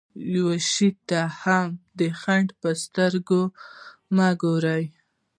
يوه شي ته هم د خنډ په سترګه مه ګورئ.